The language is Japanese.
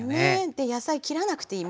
で野菜切らなくていい。